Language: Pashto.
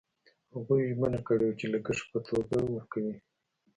هغوی ژمنه کړې وه چې لګښت په توګه ورکوي.